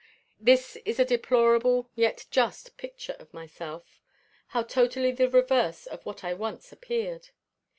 This is a deplorable, yet just, picture of myself. How totally the reverse of what I once appeared!